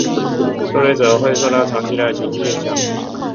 受虐者会受到长期的情绪影响。